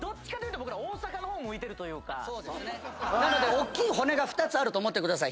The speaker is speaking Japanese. おっきい骨が２つあると思ってください。